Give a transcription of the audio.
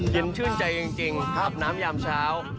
เย็นชื่นใจจริงครับน้ำยามเช้า